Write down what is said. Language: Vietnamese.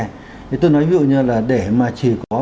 thì tôi nói ví dụ như là để mà chỉ có